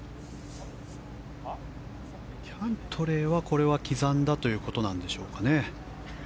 キャントレーはこれは刻んだということでしょうか。